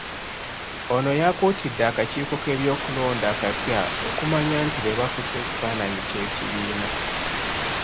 Ono yakuutidde akakiiko k’ebyokulonda akapya okumanya nti be bakutte ekifananyi ky'ekibiina.